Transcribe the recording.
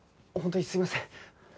本当にすいません。